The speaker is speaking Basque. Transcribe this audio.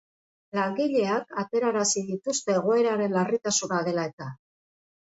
Langileak aterarazi dituzte egoeraren larritasuna dela eta.